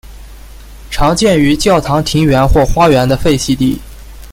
常见于教堂庭院或花园的废弃地。